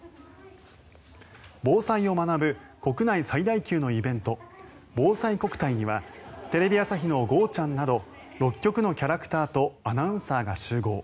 防災を学ぶ国内最大級のイベントぼうさいこくたいにはテレビ朝日のゴーちゃん。など６局のキャラクターとアナウンサーが集合。